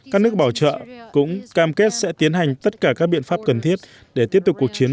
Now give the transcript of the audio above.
các nước bảo trợ cũng cam kết sẽ tiến hành tất cả các biện pháp cần thiết để tiếp tục cuộc chiến